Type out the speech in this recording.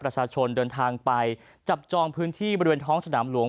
ประชาชนเดินทางไปจับจองพื้นที่บริเวณท้องสนามหลวง